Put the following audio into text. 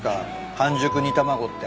半熟煮卵って。